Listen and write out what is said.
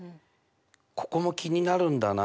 ここも気になるんだな。